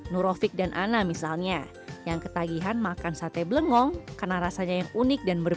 nurofiq dan ana misalnya yang ketagihan makan sate blengong karena rasanya yang unik dan berbeda